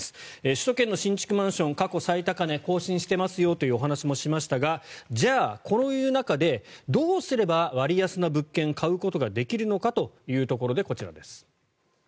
首都圏の新築マンション過去最高値更新していますよというお話をしましたがじゃあこういう中でどうすれば割安な物件を買うことができるのかというところでこちらです。